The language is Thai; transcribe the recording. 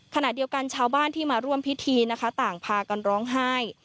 ขณะเดียวกันชาวบ้านที่มาร่วมพิธีนะคะต่างพากันร้องไห้